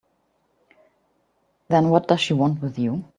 Then what does she want with you?